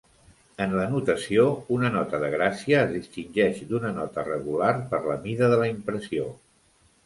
En la notació, una nota de gràcia es distingeix d'una nota regular per la mida de la impressió.